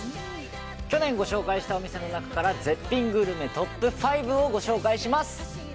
去年ご紹介したお店の中から絶品グルメトップ５をご紹介します